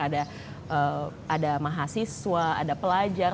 ada mahasiswa ada pelajar